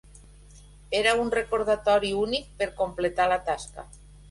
Era un recordatori únic per completar la tasca.